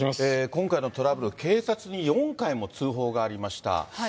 今回のトラブル、警察に４回も通報がありました。